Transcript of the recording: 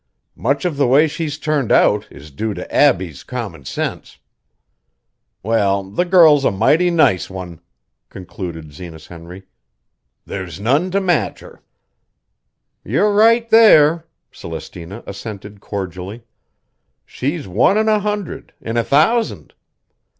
Much of the way she's turned out is due to Abbie's common sense. Well, the girl's a mighty nice one," concluded Zenas Henry. "There's none to match her." "You're right there!" Celestina assented cordially. "She's one in a hundred, in a thousand.